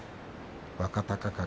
若隆景